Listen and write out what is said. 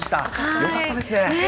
よかったですね。